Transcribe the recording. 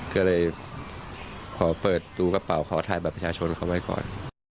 ก็เลยขอเปิดดูกระเป๋าขอถ่ายบัตรประชาชนเขาไว้ก่อน